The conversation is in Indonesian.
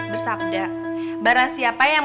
bersabda barang siapa yang